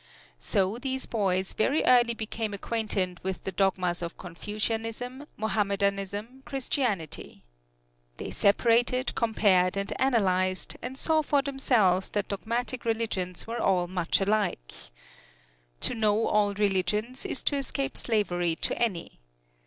So these boys very early became acquainted with the dogmas of Confucianism, Mohammedanism, Christianity. They separated, compared and analyzed, and saw for themselves that dogmatic religions were all much alike. To know all religions is to escape slavery to any.